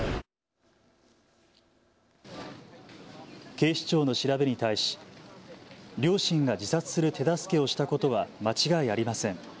警視庁の調べに対し両親が自殺する手助けをしたことは間違いありません。